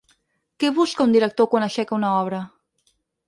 Què busca un director quan aixeca una obra?